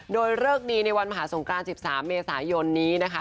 โดยเลิกดีในวันมหาสงกราน๑๓เมษายนนี้นะคะ